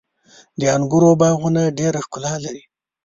• د انګورو باغونه ډېره ښکلا لري.